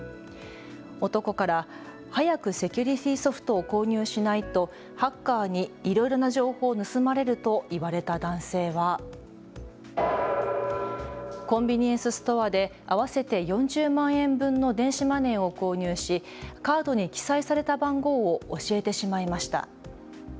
男から早くセキュリティーソフトを購入しないとハッカーにいろいろな情報を盗まれると言われた男性はコンビニエンスストアで合わせて４０万円分の電子マネーを購入しカードに記載された番号を教えてしまいました。